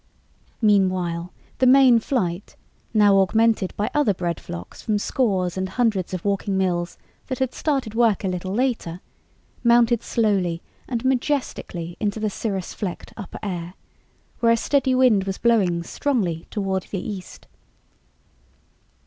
Meanwhile, the main flight, now augmented by other bread flocks from scores and hundreds of walking mills that had started work a little later, mounted slowly and majestically into the cirrus flecked upper air, where a steady wind was blowing strongly toward the east.